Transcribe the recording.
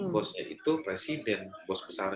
bosnya itu presiden bos besar